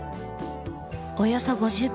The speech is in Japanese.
およそ５０分。